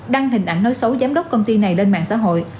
đăng hình ảnh nói xấu giám đốc công ty này lên mạng xã hội